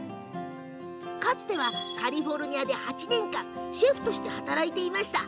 かつて、カリフォルニアで８年間シェフとして働いていました。